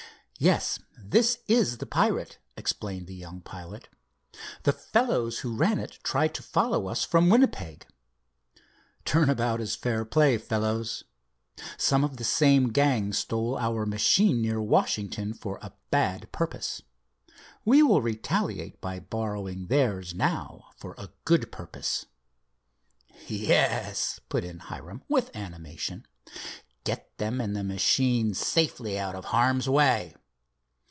"Yes, this is the pirate," explained the young pilot. "The fellows who ran it tried to follow us from Winnipeg. Turn about is fair play, fellows. Some of the same gang stole our machine near Washington for a bad purpose. We will retaliate by borrowing theirs now for a good purpose." "Yes," put in Hiram, with animation, "get them and the machine safely out of harm's way."